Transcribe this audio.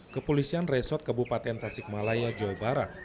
kepolisian resort kabupaten tasikmalaya jawa barat